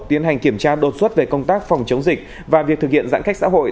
tiến hành kiểm tra đột xuất về công tác phòng chống dịch và việc thực hiện giãn cách xã hội